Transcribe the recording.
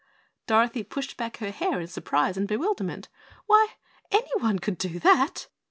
Dorothy pushed back her hair in surprise and bewilderment, "why anyone could do that!"